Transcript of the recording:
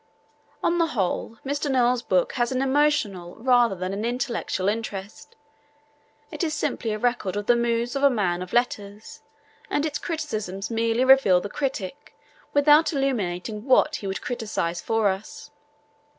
On the whole, Mr. Noel's book has an emotional rather than an intellectual interest. It is simply a record of the moods of a man of letters, and its criticisms merely reveal the critic without illuminating what he would criticise for us.